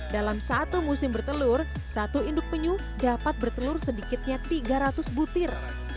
dalam satu musim bertelur satu induk penyu dapat bertelur sedikitnya tiga ratus butir